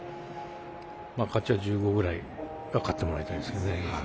勝ちは１５ぐらいは勝ってもらいたいですけどね。